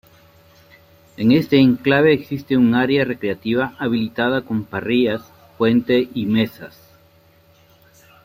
En este enclave existe un área recreativa habilitada con parrillas, fuente y mesas.